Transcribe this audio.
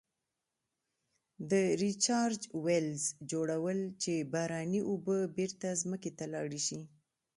د Recharge wells جوړول چې باراني اوبه بیرته ځمکې ته لاړې شي.